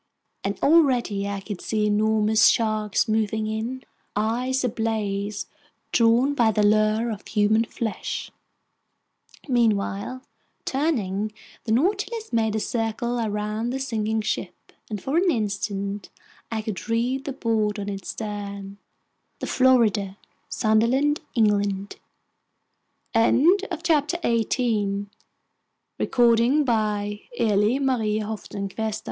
And already I could see enormous sharks moving in, eyes ablaze, drawn by the lure of human flesh! Meanwhile, turning, the Nautilus made a circle around the sinking ship, and for an instant I could read the board on its stern: The Florida Sunderland, England CHAPTER 19 Vanikoro THIS DREADFUL SIGHT was the f